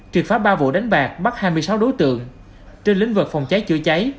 triệt phá ba vụ đánh bạc bắt hai mươi sáu đối tượng trên lĩnh vực phòng cháy chữa cháy